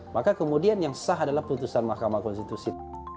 maka kemudian yang sah adalah putusan mahkamah konstitusi